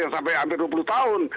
yang sampai hampir dua puluh tahun